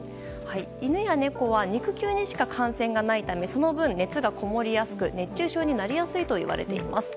犬や猫には肉球にしか汗腺がないためその分、熱が体にこもりやすく熱中症になりやすいといわれています。